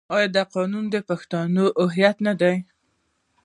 آیا دا قانون د پښتنو هویت نه دی؟